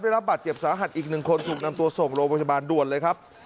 ได้รับบาดเจ็บสาหัสอีกหนึ่งคนถูกนำตัวส่งโรงพยาบาลด่วนเลยครับ